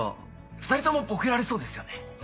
２人ともボケられそうですよね。